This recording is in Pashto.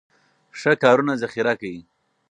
ښه کارونه ذخیره کړئ.